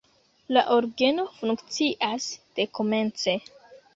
La orgeno funkcias dekomence.